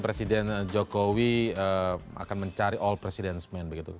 presiden jokowi akan mencari all president man begitu